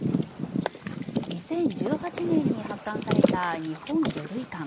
２０１８年に発刊された「日本魚類館」。